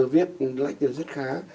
viết rất khá